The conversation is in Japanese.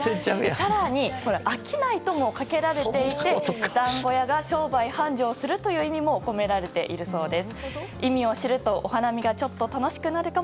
更に「商い」ともかけられていて団子屋が商売繁盛するという意味も込められているそうです。